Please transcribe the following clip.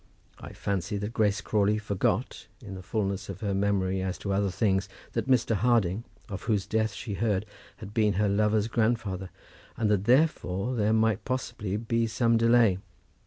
I fancy that Grace Crawley forgot, in the fulness of her memory as to other things, that Mr. Harding, of whose death she heard, had been her lover's grandfather, and that therefore there might possibly be some delay.